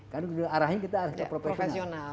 karena arahnya kita harus profesional